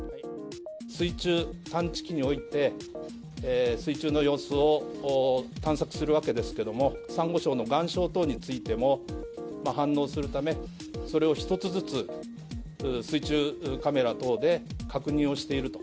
水中探知機において、水中の様子を探索するわけですけども、サンゴ礁の岩礁等についても反応するため、それを１つずつ、水中カメラ等で確認をしていると。